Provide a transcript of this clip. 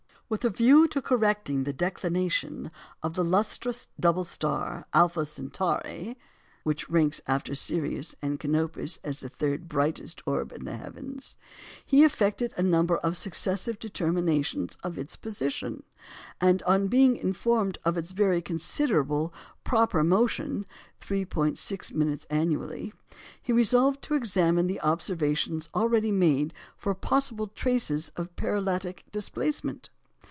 With a view to correcting the declination of the lustrous double star Alpha Centauri (which ranks after Sirius and Canopus as the third brightest orb in the heavens), he effected a number of successive determinations of its position, and on being informed of its very considerable proper motion (3·6" annually), he resolved to examine the observations already made for possible traces of parallactic displacement.